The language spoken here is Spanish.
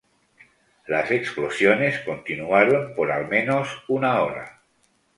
Las explosiones continuaron por al menos una hora.